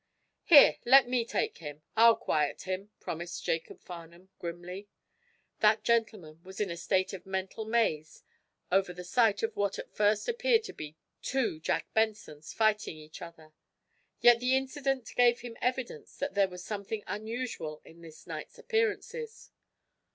"Here, let me take him. I'll quiet him," promised Jacob Farnum, grimly. That gentleman was in a state of mental maze over the sight of what at first appeared to be two Jack Bensons fighting each other; Yet the incident gave him evidence that there was something unusual in this night's appearances.